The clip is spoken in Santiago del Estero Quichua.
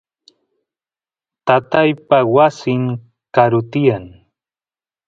tataypa wasin karu tiyan